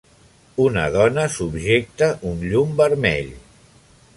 Una dona subjecta un llum vermell.